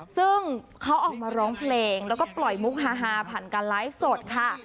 ซึ่งเขาออกมาร้องเพลงแล้วก็ปล่อยมุกฮาผ่านการไลฟ์สดค่ะ